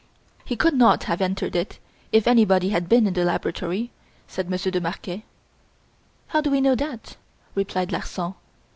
"He could not have entered it if anybody had been in the laboratory," said Monsieur de Marquet. "How do we know that?" replied Larsan.